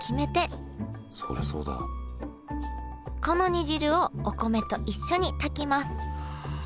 この煮汁をお米と一緒に炊きます